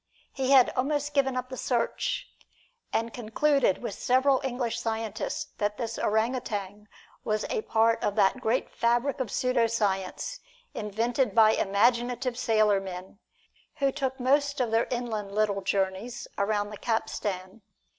He had almost given up the search, and concluded with several English scientists that this orang utan was a part of that great fabric of pseudo science invented by imaginative sailormen, who took most of their inland little journeys around the capstan.